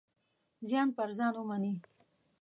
زیان پر ځان ومني.